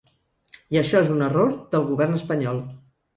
I això és un error del govern espanyol.